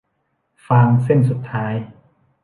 ฟางเส้นสุดท้าย